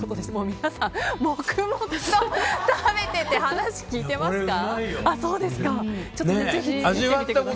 皆さん黙々と食べてて話聞いてますか？